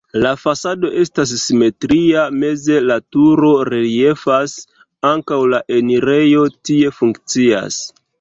La fasado estas simetria, meze la turo reliefas, ankaŭ la enirejo tie funkcias.